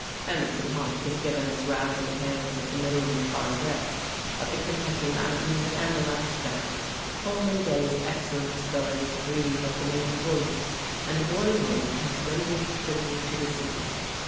Emerson Hough has given us rousing tales of the Middle and Far West, of the Kentucky mountains and Alaska. Holman Day's excellent stories breathe of the Maine woods, and Roy Norton has rendered tribute to the sea.